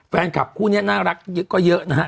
แฟนคลับคู่เนี่ยน่ารักก็เยอะนะฮะ